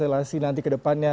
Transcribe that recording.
penjelasin nanti kedepannya